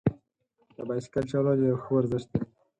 د بایسکل چلول یو ښه ورزش دی.